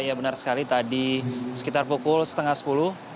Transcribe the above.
ya benar sekali tadi sekitar pukul setengah sepuluh